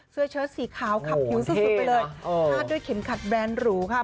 เชิดสีขาวขับผิวสุดไปเลยพาดด้วยเข็มขัดแบรนด์หรูค่ะ